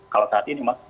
kalau saat ini mas